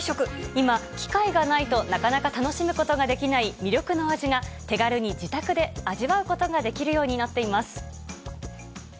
今、機会がないとなかなか楽しむことができない魅力の味が、手軽に自宅で味わうことができるようになっています。